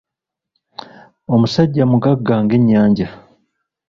Omusajja mugagga ng'ennyanja.